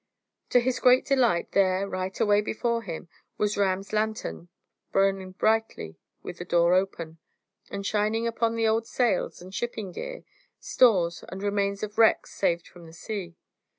To his great delight, there, right away before him, was Ram's lanthorn, burning brightly with the door open, and shining upon the old sails and shipping gear, stores, and remains of wrecks saved from the sea.